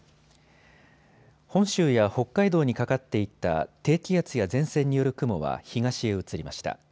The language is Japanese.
本州や北海道にかかっていた低気圧や前線による雲は東へ移りました。